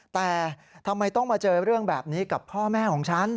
แต่ทำไมต้องมาเจอเรื่องแบบนี้กับพ่อแม่ของฉัน